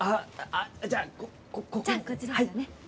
じゃあ、こっちですよね。